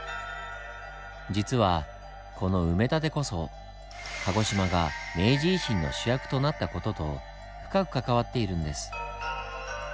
実はこの埋め立てこそ鹿児島が明治維新の主役となった事と深く関わっているんです。